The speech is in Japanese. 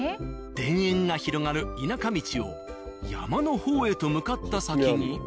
田園が広がる田舎道を山の方へと向かった先に。